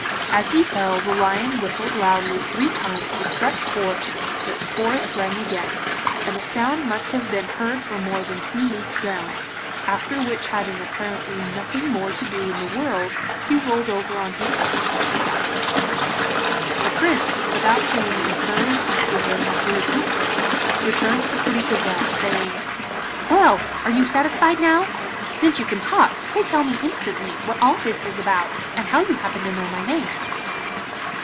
As he fell the lion whistled loudly three times with such force that the forest rang again, and the sound must have been heard for more than two leagues round, after which having apparently nothing more to do in the world he rolled over on his side and died. The Prince without paying any further heed to him or to his whistling returned to the pretty gazelle, saying: 'Well! are you satisfied now? Since you can talk, pray tell me instantly what all this is about, and how you happen to know my name.